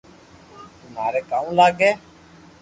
تو ماري ڪاو لاگي